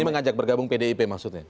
ini mengajak bergabung pdip maksudnya